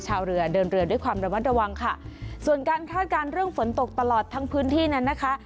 ชาวเรือเดินเรือด้วยความระมัดระวังค่ะส่วนการคาดการณ์เรื่องฝนตกตลอดทั้งพื้นที่นั้นนะคะ